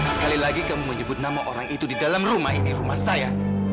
sekali lagi kamu menyebut nama orang itu di dalam rumah ini rumah saya